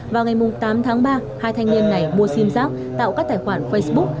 vào ngày tám tháng ba hai thanh niên này mua sim giác tạo các tài khoản facebook